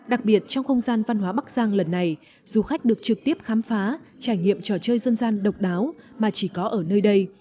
đặc biệt trong không gian văn hóa bắc giang lần này du khách được trực tiếp khám phá trải nghiệm trò chơi dân gian độc đáo mà chỉ có ở nơi đây